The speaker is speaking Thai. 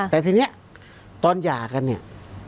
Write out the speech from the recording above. แต่ทีนี้ตอนหย่ากันเนี่ย